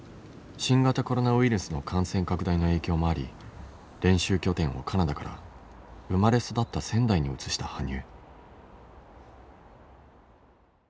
新型コロナウイルスの感染拡大の影響もあり練習拠点をカナダから生まれ育った仙台に移した羽生。